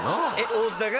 太田が。